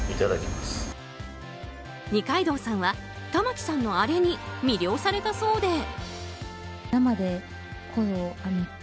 二階堂さんは玉木さんのあれに魅了されたそうで。